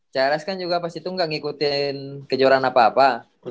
celes kan juga pas itu nggak ngikutin kejuaraan apa apa